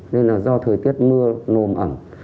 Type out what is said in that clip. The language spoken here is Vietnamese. nên là do thời tiết mưa nồm ẩm